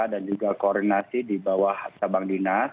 dan juga koordinasi di bawah sabang dinas